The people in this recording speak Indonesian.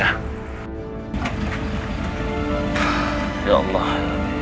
ya allah ya allah